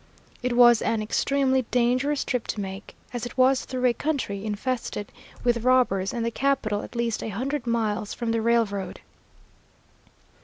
It was an extremely dangerous trip to make, as it was through a country infested with robbers and the capital at least a hundred miles from the railroad.